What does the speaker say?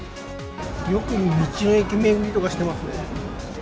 よく道の駅巡りとかしてます